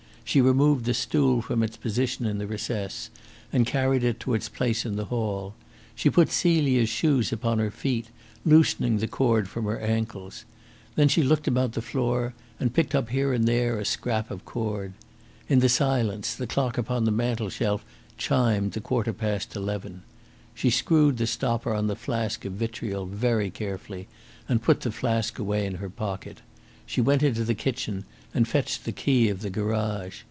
She removed the stool from its position in the recess, and carried it to its place in the hall. She put Celia's shoes upon her feet, loosening the cord from her ankles. Then she looked about the floor and picked up here and there a scrap of cord. In the silence the clock upon the mantelshelf chimed the quarter past eleven. She screwed the stopper on the flask of vitriol very carefully, and put the flask away in her pocket. She went into the kitchen and fetched the key of the garage.